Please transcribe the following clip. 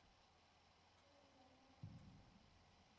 তোমার যা নেয়ার নাও।